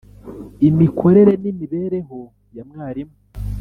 imikorere n’imibereho ya mwarimu